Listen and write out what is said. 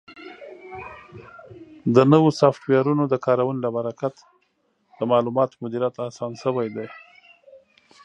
د نوو سافټویرونو د کارونې له برکت د معلوماتو مدیریت اسان شوی دی.